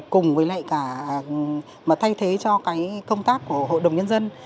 cùng với lại cả mà thay thế cho cái công tác của hội đồng nhân dân